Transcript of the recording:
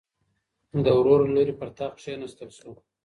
د ورور له لوري پر تخت کېناستل شو.